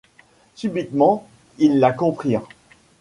Subitement ils la comprirent.